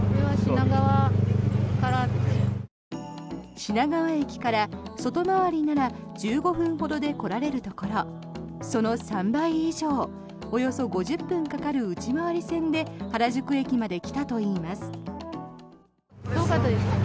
品川駅から外回りなら１５分ほどで来られるところその３倍以上およそ５０分かかる内回り線で原宿駅まで来たといいます。